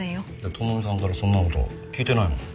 朋美さんからそんな事聞いてないもん。